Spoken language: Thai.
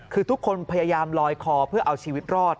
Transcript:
คือทุกคนพยายามลอยคอเพื่อเอาชีวิตรอด